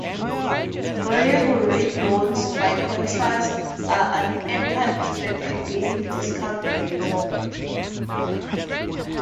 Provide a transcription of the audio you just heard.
Variable rate loans, by contrast, are anchored to the prevailing discount rate.